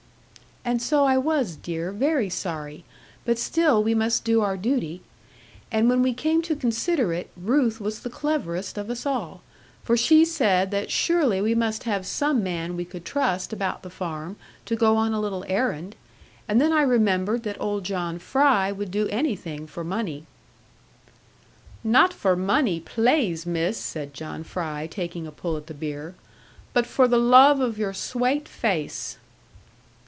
'And so I was, dear; very sorry. But still we must do our duty. And when we came to consider it, Ruth was the cleverest of us all; for she said that surely we must have some man we could trust about the farm to go on a little errand; and then I remembered that old John Fry would do anything for money.' 'Not for money, plaize, miss,' said John Fry, taking a pull at the beer; 'but for the love of your swate face.'